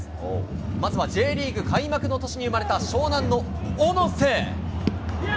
まずはＪリーグ開幕の年に生まれた湘南の小野瀬。